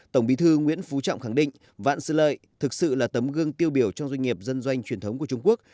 tổng bí thư nguyễn phú trọng khẳng định vạn sự lợi thực sự là tấm gương tiêu biểu trong doanh nghiệp dân doanh truyền thống của trung quốc